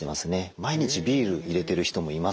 毎日ビール入れてる人もいます